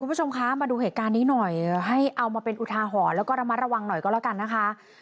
คุณผู้ชมคะมาดูเหตุการณ์นี้หน่อยให้เอามาเป็นอุทาหรณ์แล้วก็ระมัดระวังหน่อยก็แล้วกันนะคะ